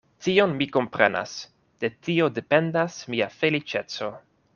Tion mi komprenas; de tio dependas mia feliĉeco.